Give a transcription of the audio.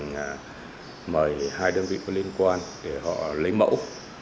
tiến hành mời hai đơn vị có liên quan để họ lấy mẫu